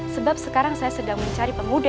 sebab sekarang saya sedang mencari pemuda